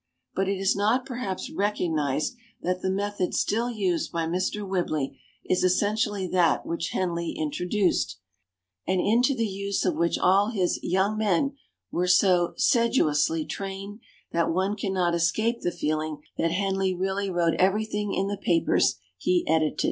But it is not perhaps recognized that the method still used by Mr. Whibley is essentially that which Hen ley introduced, and into the use of which all his "young men" were so sedulously trained that one cannot es 64 THE BOOKMAN cape the feeling that Henley really wrote ever3rthing in the papers he edited.